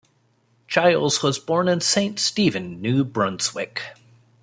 Giles was born in Saint Stephen, New Brunswick.